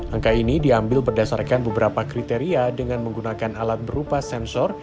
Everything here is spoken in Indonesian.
angka ini diambil berdasarkan beberapa kriteria dengan menggunakan alat berupa sensor